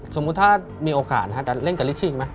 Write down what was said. สมมุติถ้ามีโอกาสจะเล่นกับลิชชิงไหม